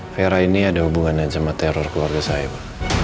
vera ini ada hubungan aja sama teror keluarga saya